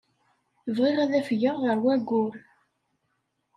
Bɣiɣ ad afgeɣ ɣer wayyur.